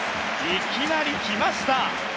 いきなりきました。